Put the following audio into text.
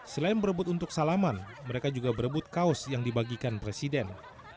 selain berebut untuk salaman mereka juga berebut kaos yang dibagikan presiden